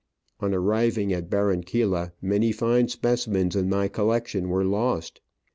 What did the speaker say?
On arriving at Barranquilla many fine specimens in my collection were lost.